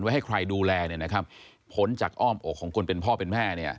ไว้ให้ใครดูแลนะครับผลจากอ้อมอกของคนเป็นพ่อเป็นแม่